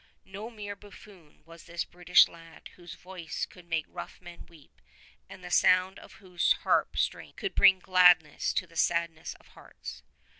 No mere buffoon was this British lad whose voice could make rough men weep, and the sound of whose harp strings could bring gladness to the saddest of hearts.